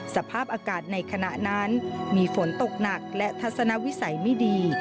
สภาพอากาศในขณะนั้นมีฝนตกหนักและทัศนวิสัยไม่ดี